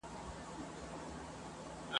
که زندان که پنجره وه نس یې موړ وو !.